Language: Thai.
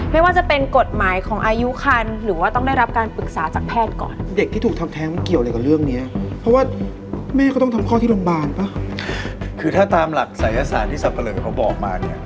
คือถ้าตามหลักสายศาสตร์ที่สับเปลืองเขาบอกมาเนี่ย